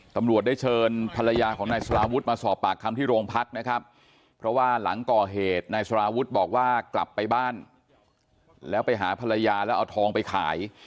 ตำรวจได้เชิญภรรยาของนายสารวุฒิมาสอบปากคำที่โรงพักนะครับเพราะว่าหลังก่อเหตุนายสารวุฒิบอกว่ากลับไปบ้านแล้วไปหาภรรยาแล้วเอาทองไปขาย